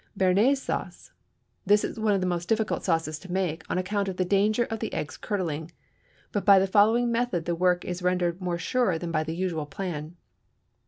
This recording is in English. Béarnaise Sauce. This is one of the most difficult sauces to make, on account of the danger of the eggs curdling; but by the following method the work is rendered more sure than by the usual plan.